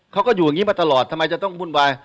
เขาก็อยู่อย่างนี้มาตลอดทำไมจะต้องวุ่นวาย